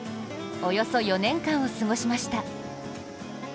およそ４年間を過ごしました。